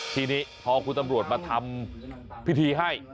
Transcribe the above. ทีนี้พอคุณตำรวจมาทำพิธีให้